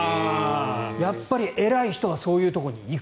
やっぱり偉い人はそういうところに行く。